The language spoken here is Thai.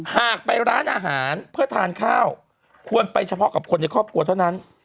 หากไปร้านอาหารเพื่อทานข้าวควรไปเฉพาะกับคนในครอบครัวเท่านั้น